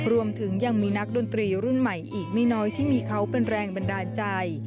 รวมถึงยังมีนักดนตรีรุ่นใหม่อีกไม่น้อยที่มีเขาเป็นแรงบันดาลใจ